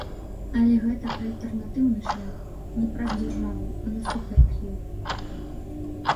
Але гэта альтэрнатыўны шлях, не праз дзяржаву, а насуперак ёй.